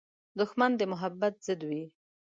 دښمن د محبت ضد وي